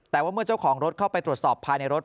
แต่ว่าเมื่อเจ้าของรถเข้าไปตรวจสอบภายในรถ